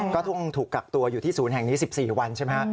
ก็ต้องถูกกักตัวอยู่ที่ศูนย์แห่งนี้๑๔วันใช่ไหมฮะ